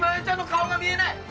ちゃんの顔が見えない！